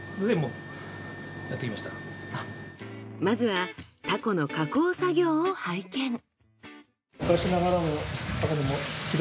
まずはタコの加工作業を拝見。